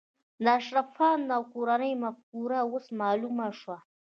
د اشرف خان او کورنۍ مفکوره اوس معلومه شوه